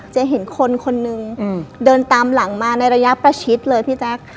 จะเห็นคนคนนึงเดินตามหลังมาในระยะประชิดเลยพี่แจ๊ค